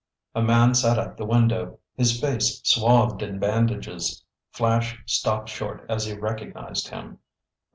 A man sat at the window, his face swathed in bandages. Flash stopped short as he recognized him.